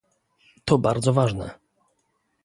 To bardzo ważne